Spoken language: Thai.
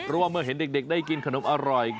เพราะว่าเมื่อเห็นเด็กได้กินขนมอร่อย